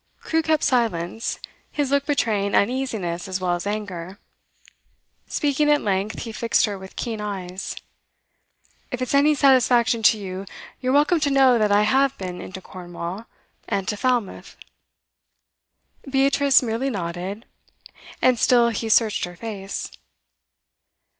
Crewe kept silence, his look betraying uneasiness as well as anger. Speaking at length, he fixed her with keen eyes. 'If it's any satisfaction to you, you're welcome to know that I have been into Cornwall and to Falmouth.' Beatrice merely nodded, and still he searched her face.